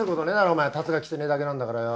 お前竜が来てねぇだけなんだからよ。